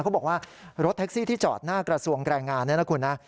เขาบอกว่ารถแท็กซี่ที่จอดหน้ากระทรวงแรงงานเนี่ยนะคุณนะ